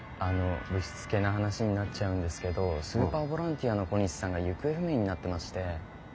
ぶしつけな話になっちゃうんですけどスーパーボランティアの小西さんが行方不明になってまして。